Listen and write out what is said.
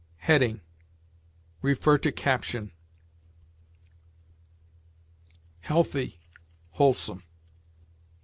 HEADING. See CAPTION. HEALTHY WHOLESOME.